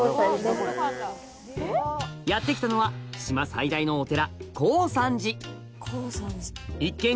やって来たのは島最大のお寺